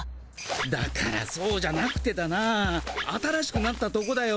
だからそうじゃなくてだな新しくなったとこだよ。